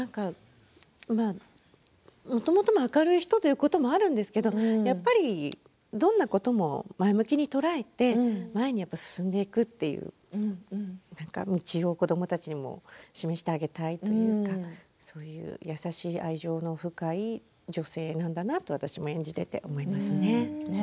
もともとも明るい人ということもあるんですけれどもやっぱり、どんなことも前向きに捉えて前に進んでいくという道を子どもたちにも示してあげたいというかそういう優しい愛情の深い女性なんだなと私も演じていて思いますね。